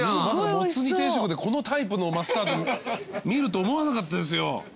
まさかもつ煮定食でこのタイプのマスタード見ると思わなかったですよ。